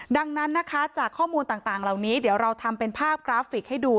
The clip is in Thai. ดังนั้นนะคะจากข้อมูลต่างเหล่านี้เดี๋ยวเราทำเป็นภาพกราฟิกให้ดู